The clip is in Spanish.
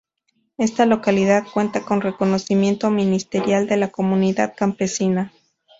Esta localidad cuenta con reconocimiento ministerial de comunidad campesina.